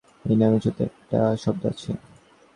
এই নামের সত্যিই একটা শব্দ আছে।